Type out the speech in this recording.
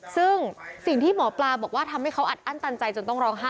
ซึ่งสิ่งที่หมอปลาบอกว่าทำให้เขาอัดอั้นตันใจจนต้องร้องไห้